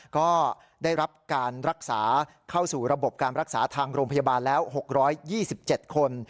ก็ได้รับการรักษาเข้าสู่ระบบการรักษาทางโรงพยาบาลแล้ว๖๒๗คน